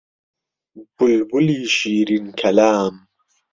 بولبولی شیرین کەلام